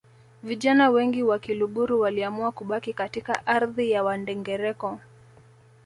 Vijana wengi wa Kiluguru waliamua kubaki katika ardhi ya Wandengereko